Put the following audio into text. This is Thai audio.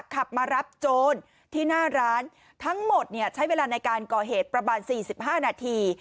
ขับมารับโจรที่หน้าร้านทั้งหมดเนี่ยใช้เวลาในการก่อเหตุประมาณ๔๕นาที